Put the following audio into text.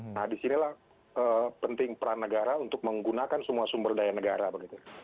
nah disinilah penting peran negara untuk menggunakan semua sumber daya negara begitu